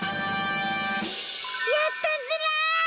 やったズラ！